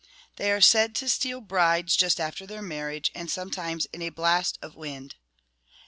They are said to steal brides just after their marriage, and sometimes in a blast of wind.